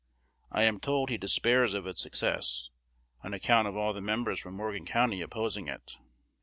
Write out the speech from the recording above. I am told he despairs of its success, on account of all the members from Morgan County opposing it.